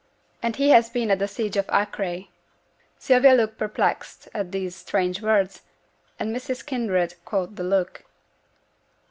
'And he has been at the siege of Acre.' Sylvia looked perplexed at these strange words, and Mrs. Kinraid caught the look.